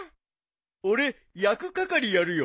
俺焼く係やるよ。